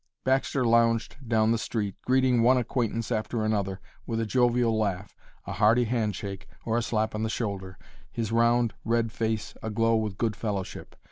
Baxter lounged down the street, greeting one acquaintance after another with a jovial laugh, a hearty handshake, or a slap on the shoulder, his round, red face aglow with good fellowship.